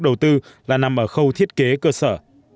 đầu tư là nằm ở khâu thiết kế cơ sở